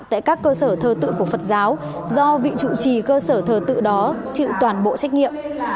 tại các cơ sở thờ tự của phật giáo do vị chủ trì cơ sở thờ tự đó chịu toàn bộ trách nhiệm